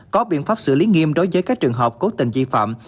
có biện pháp xử lý nghiêm đối với các trường hợp cố tình vi phạm